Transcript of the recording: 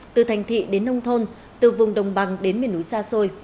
từ thành thị đến nông thôn từ vùng đồng bằng đến miền núi xa xôi